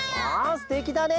すてきだね！